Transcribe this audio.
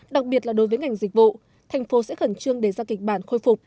đặc biệt là đối với ngành dịch vụ thành phố sẽ khẩn trương đề ra kịch bản khôi phục